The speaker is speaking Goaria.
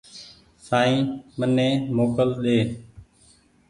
سائين مني موڪل ۮي